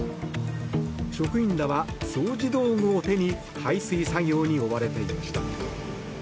職員らは掃除道具を手に排水作業に追われていました。